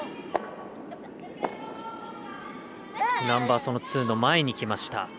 ナンバーツーの前にきました。